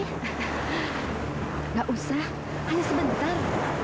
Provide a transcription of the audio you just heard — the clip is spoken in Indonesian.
tidak usah hanya sebentar